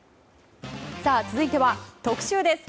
続いては特集です。